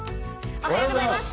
おはようございます！